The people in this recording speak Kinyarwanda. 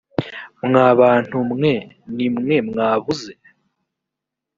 mwa bantu mwe ni mwe mwabuze.